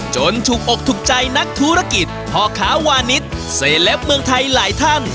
จนถูกอกถูกใจนักธุรกิจพ่อค้าวานิสเซเลปเมืองไทยหลายท่าน